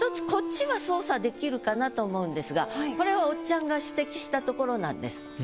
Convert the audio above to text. かなと思うんですがこれはおっちゃんが指摘したところなんです。